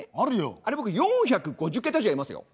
あれ僕４５０桁以上言えますよ。